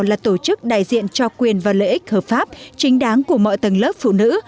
là tổ chức đại diện cho quyền và lợi ích hợp pháp chính đáng của mọi tầng lớp phụ nữ